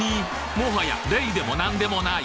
もはやレイでも何でもない